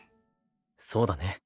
そうだね。